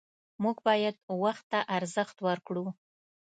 موږ باید وخت ته ارزښت ورکړو